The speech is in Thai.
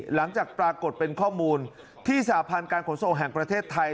หลังจากปรากฏเป็นข้อมูลที่สาพันธ์การขนส่งแห่งประเทศไทย